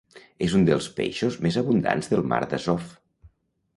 És un dels peixos més abundants del Mar d'Azov.